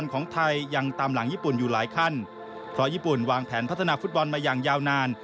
การแผนพัฒนาฟุตบอลมาอย่างยาวนาน